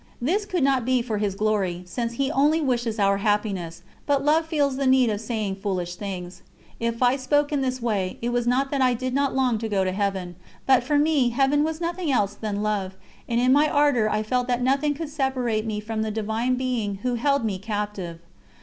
This could not be for His Glory, since He only wishes our happiness, but love feels the need of saying foolish things. If I spoke in this way, it was not that I did not long to go to Heaven, but for me Heaven was nothing else than Love, and in my ardour I felt that nothing could separate me from the Divine Being Who held me captive.